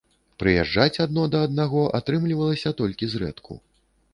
Прыязджаць адно да аднаго атрымлівалася толькі зрэдку.